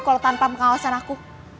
kalau tanpa pengawasan aku